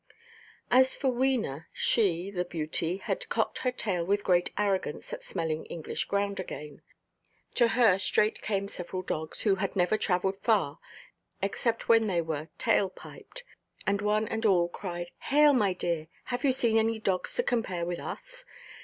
As for Wena, she (the beauty) had cocked her tail with great arrogance at smelling English ground again. To her straight came several dogs, who had never travelled far (except when they were tail–piped), and one and all cried, "Hail, my dear! Have you seen any dogs to compare with us?